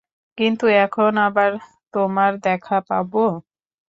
কিন্তু কখন আবার তোমার দেখা পাবো?